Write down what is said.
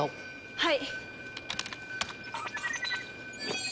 はい！